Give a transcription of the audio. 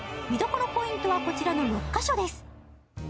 見どころポイントは、こちらの６カ所です。